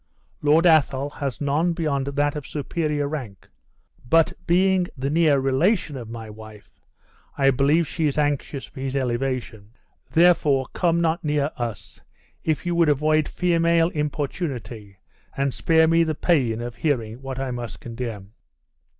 Lord Athol has none beyond that of superior rank; but being the near relation of my wife, I believe she is anxious for his elevation. Therefore come not near us, if you would avoid female importunity, and spare me the pain of hearing what I must condemn."